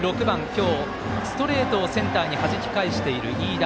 今日、ストレートをセンターにはじき返している、飯田。